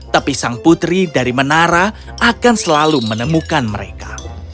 tapi sang putri dari menara akan selalu menemukan mereka